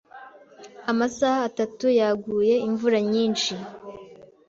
Amasaha atatu yaguye imvura nyinshi.